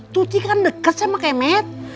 tuti kan dekes sama kemet